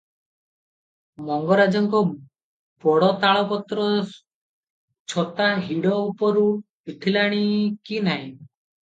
ମଙ୍ଗରାଜଙ୍କ ବଡ଼ ତାଳ ପତ୍ର ଛତା ହିଡ଼ ଉପରୁ ଉଠିଲାଣି କି ନାହିଁ ।